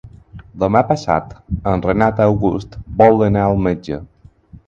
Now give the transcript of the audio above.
Demà passat en Renat August vol anar al metge.